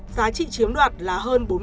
giá trị chiếm đoạt là hơn